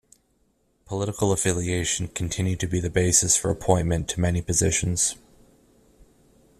Political affiliation continued to be the basis for appointment to many positions.